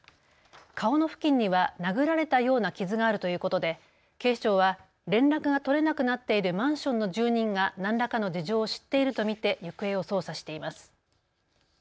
顔の付近には殴られたような傷があるということで警視庁は連絡が取れなくなっているマンションの住人が何らかの事情を知っていると見て行方を捜査しています。